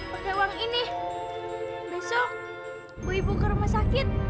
pakai uang ini besok ibu ibu ke rumah sakit